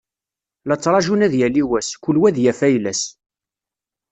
La ttrağun ad yali wass, kul wa ad yaf ayla-s.